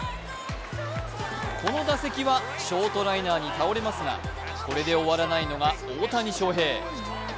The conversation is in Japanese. この打席はショートライナーに倒れますがこれで終わらないのが大谷翔平。